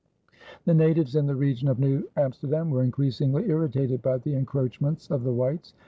The natives in the region of New Amsterdam were increasingly irritated by the encroachments of the whites.